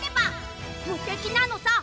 むてきなのさ！